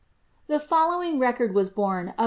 The following record was borne of.